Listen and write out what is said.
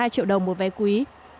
sáu hai triệu đồng một vé quý